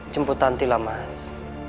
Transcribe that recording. cemput nanti lah mas